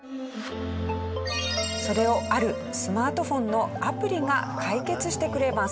それをあるスマートフォンのアプリが解決してくれます。